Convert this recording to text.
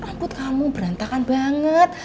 rambut kamu berantakan banget